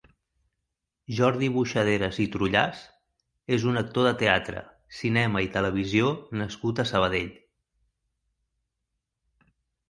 Jordi Boixaderas i Trullàs és un actor de teatre, cinema i televisió nascut a Sabadell.